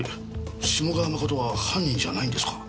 志茂川真は犯人じゃないんですか？